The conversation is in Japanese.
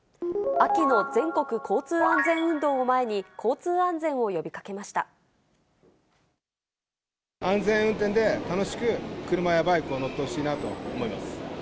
秋の全国交通安全運動を前に、安全運転で、楽しく車やバイクを乗ってほしいなと思います。